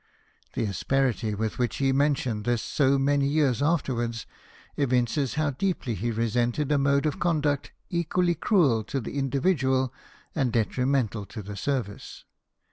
The asperity with which he mentioned this so many years afterwards, evinces how deeply he resented a mode of conduct equally cruel to the indi vidual and detrimental to the service.